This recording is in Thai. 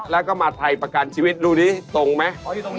แล้วก็มาไทยประกันชีวิตดูดิตรงไหม